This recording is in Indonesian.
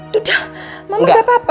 tuduh mama engga apa apa